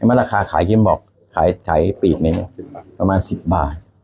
ไอ้มันราคาขายครีมบอกขายใช้ปีดไหมมันมาอันสิบบาท